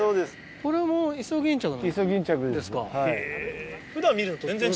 これもイソギンチャク？